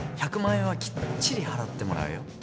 １００万円はきっちり払ってもらうよ。